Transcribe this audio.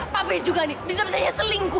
papi juga nih bisa bisanya selingkuh